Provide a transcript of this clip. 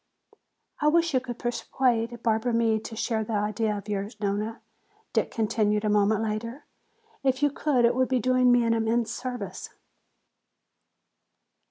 "I wish you could persuade Barbara Meade to share that idea of yours, Nona?" Dick continued a moment later. "If you could you would be doing me an immense service."